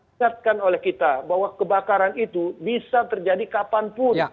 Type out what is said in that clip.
ingatkan oleh kita bahwa kebakaran itu bisa terjadi kapanpun